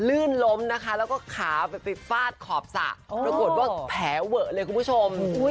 ลื่นล้มนะคะแล้วก็ขาไปฟาดขอบสระปรากฏว่าแผลเวอะเลยคุณผู้ชม